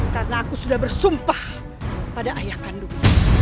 karena aku sudah bersumpah pada ayah kandung